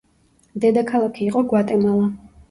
დედაქალაქი იყო გვატემალა.